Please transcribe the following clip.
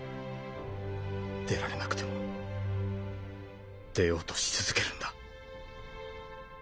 出られなくても出ようとし続けるんだ。